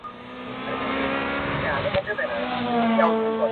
• څه خو راته وايي ګړوي چي نیمه ژبه ,